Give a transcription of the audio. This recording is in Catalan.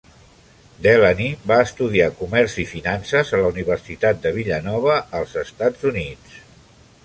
Delany va estudiar comerç i finances a la Universitat de Villanova als Estats Units.